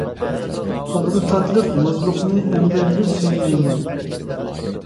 ئاغزى تاتلىق، مۇزلۇقنى، ئەمدى ھەرگىز سۆيمەيمەن.